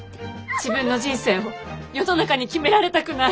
自分の人生を世の中に決められたくない。